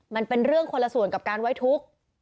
มันเป็นเรื่องคนละส่วนกับการไว้ทุกข์